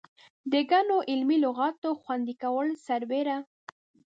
د ګڼو علمي لغاتو خوندي کولو سربېره.